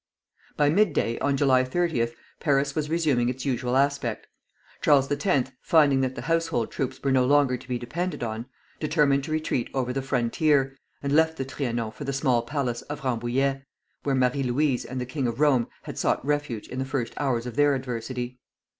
By midday on July 30th Paris was resuming its usual aspect. Charles X., finding that the household troops were no longer to be depended on, determined to retreat over the frontier, and left the Trianon for the small palace of Rambouillet, where Marie Louise and the King of Rome had sought refuge in the first hours of their adversity.